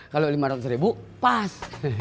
kalau lima ratus ribu pas